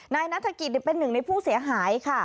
นายนัฐกิจเป็นหนึ่งในผู้เสียหายค่ะ